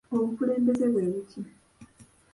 Obukulembe bwe buki?